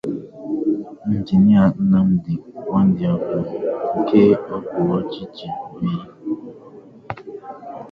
Injinia Nnamdi Nwadiogbu nke okpuruọchịchị Oyi